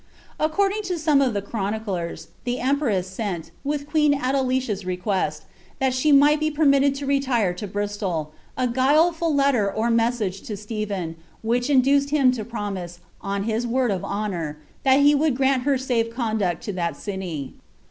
According to some of the chroniclers, the empress sent, with queen Adelicia's request that she might be permitted to retire to Bristol, a guileful letter or message to Stephen,' which induced him to promise, on his word of honour, that he would grant her safe con duct to that city.